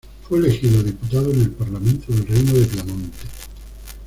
Fue elegido diputado en el parlamento del reino de Piamonte.